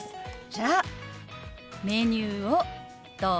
じゃあメニューをどうぞ。